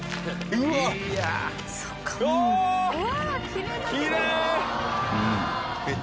うわっ